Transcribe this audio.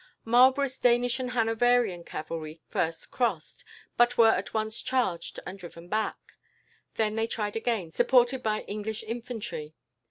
Marlborough's Danish and Hanoverian cavalry first crossed, but were at once charged and driven back. Then they tried again, supported by English infantry.